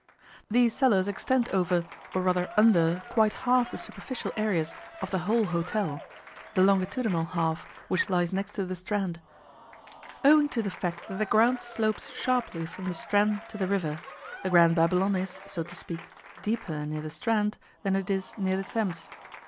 These cellars extend over, or rather under, quite half the superficial areas of the whole hotel the longitudinal half which lies next to the Strand. Owing to the fact that the ground slopes sharply from the Strand to the river, the Grand Babylon is, so to speak, deeper near the Strand than it is near the Thames.